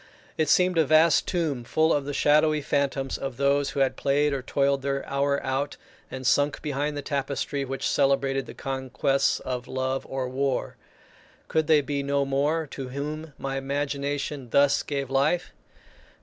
It seemed a vast tomb full of the shadowy phantoms of those who had played or toiled their hour out and sunk behind the tapestry which celebrated the conquests of love or war. Could they be no more to whom my imagination thus gave life?